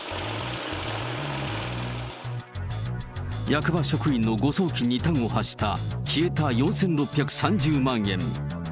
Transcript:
役場職員の誤送金に端を発した、消えた４６３０万円。